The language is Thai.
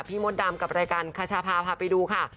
มดดำกับรายการคชาพาพาไปดูค่ะ